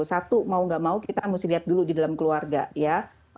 satu mau gak mau kita mesti lihat dulu di dalam keluarga ya